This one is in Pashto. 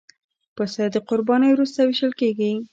پسه د قربانۍ وروسته وېشل کېږي.